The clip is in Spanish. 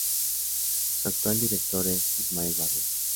Su actual director es Ismael Barrios.